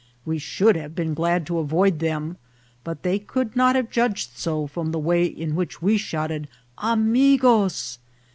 We should have been glad to avoid them, but they could not have judged so from the way in which we shouted " amigos